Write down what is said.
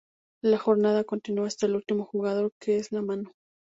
La ronda continúa hasta el último jugador, que es la mano.